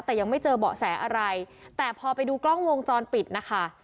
แต่ยังไม่เจอเบาะแสอะไรแต่พอไปดูกล้องวงจรปิดนะคะ